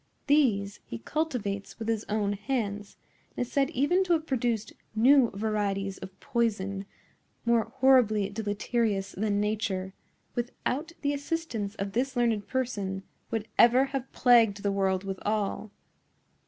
These he cultivates with his own hands, and is said even to have produced new varieties of poison, more horribly deleterious than Nature, without the assistance of this learned person, would ever have plagued the world withal.